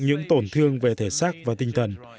những tổn thương về thể sắc và tinh thần